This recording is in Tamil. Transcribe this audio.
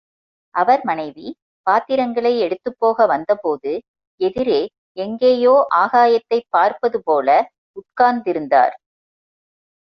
அவர் மனைவி, பாத்திரங்களை எடுத்துப்போக வந்தபோது எதிரே எங்கேயோ ஆகாயத்தைப் பார்ப்பது போல உட்காந்திருந்தார்.